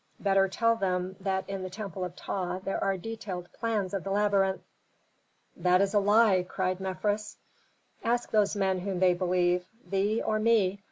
Better tell them that in the temple of Ptah there are detailed plans of the labyrinth." "That is a lie!" cried Mefres. "Ask those men whom they believe: thee, or me?